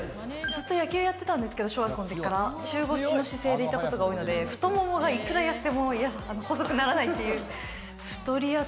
ずっと野球やってたんですけど、中腰の姿勢でやってたことが多いので太腿がいくらやっても細くならないっていう。